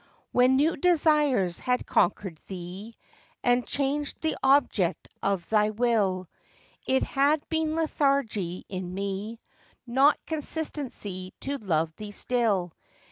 When new desires had conquer'd thee, And chang'd the object of thy will, It had been lethargy in me, Not constancy to love thee still.